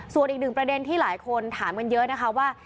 ส่วนอีกหนึ่งประเด็นที่หลายคนถามกันเยอะนะคะว่า